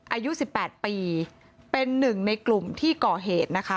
อายุ๑๘ปีเป็นหนึ่งในกลุ่มที่ก่อเหตุนะคะ